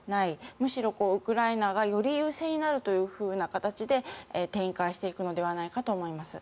むしろウクライナがより優勢になるという形で展開していくのではないかと思います。